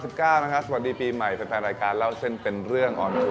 สวัสดีปีใหม่แฟนรายการเล่าเส้นเป็นเรื่องออนทัว